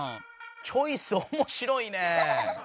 チョイスおもしろいね。